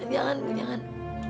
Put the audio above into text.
jangan bu jangan